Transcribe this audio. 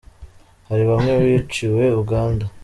hari bamwe biciwe uganda.